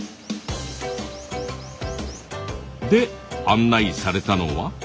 で案内されたのは。